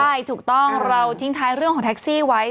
ใช่ถูกต้องเราทิ้งท้ายเรื่องของแท็กซี่ไว้